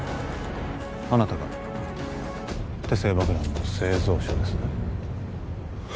あなたが手製爆弾の製造者ですね？